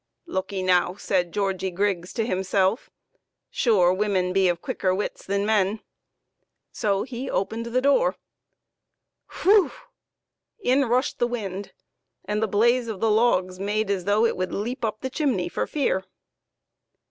" Look 'ee now," said Georgie Griggs to himself, " sure women be of quicker wits than men !" So he opened the door. Whoo ! In rushed the wind, and the blaze of the logs made as though it would leap up the chimney for fear.